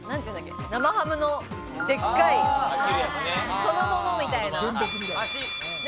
生ハムのでっかいそのものみたいな。